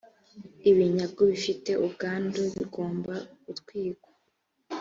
ibinyagu bifite ubwandu bigomba gutwikwa